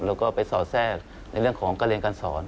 แล้วก็ไปสอดแทรกในเรื่องของการเรียนการสอน